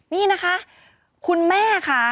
นี่นะคะคุณแม่ค่ะ